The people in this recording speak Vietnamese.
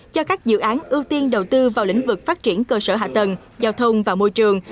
cho các dự án ưu tiên đầu tư vào lĩnh vực phát triển cơ sở hạ tầng giao thông và môi trường